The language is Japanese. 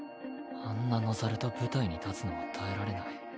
あんな野猿と舞台に立つのも耐えられない。